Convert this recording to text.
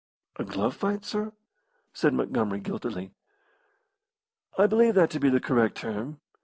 "A glove fight, sir?" said Montgomery, guiltily. "I believe that to be the correct term.